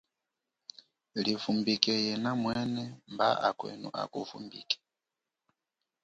Livumbike yena mwena mba akwenu aku vumbike.